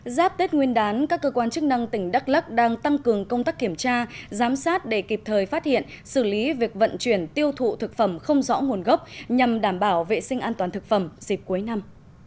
giáp tết nguyên đán các cơ quan chức năng tỉnh đắk lắc đang tăng cường công tác kiểm tra giám sát để kịp thời phát hiện xử lý việc vận chuyển tiêu thụ thực phẩm không rõ nguồn gốc nhằm đảm bảo vệ sinh an toàn thực phẩm dịp cuối năm